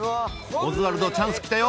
オズワルドチャンスきたよ！